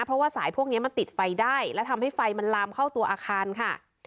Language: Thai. เพราะว่าสายพวกนี้มันติดไฟได้และทำให้ไฟมันลามเข้าตัวอาคารค่ะ